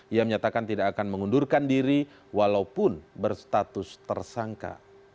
ia menyatakan tidak akan mengundurkan diri walaupun berstatus tersangka